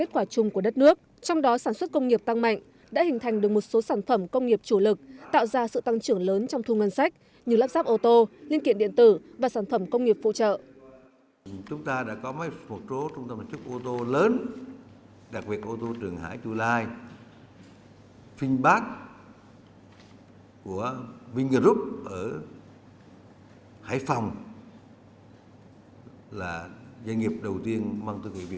kết quả chung của đất nước trong đó sản xuất công nghiệp tăng mạnh đã hình thành được một số sản phẩm công nghiệp chủ lực tạo ra sự tăng trưởng lớn trong thu ngân sách như lắp ráp ô tô liên kiện điện tử và sản phẩm công nghiệp phụ trợ